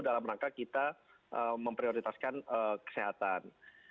dalam rangka kita memprioritaskan kesehatan